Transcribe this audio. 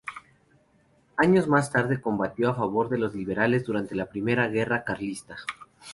Años más tarde combatió a favor de los liberales durante la Primera Guerra Carlista.